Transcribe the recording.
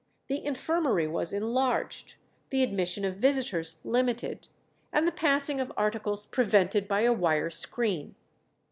The infirmary was enlarged, the admission of visitors limited, and the passing of articles prevented by a wire screen.